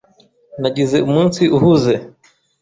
Nagize umunsi uhuze.